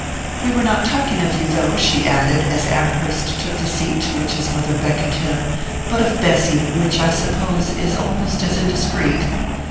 "We were not talking of you, though," she added as Amherst took the seat to which his mother beckoned him, "but of Bessy which, I suppose, is almost as indiscreet."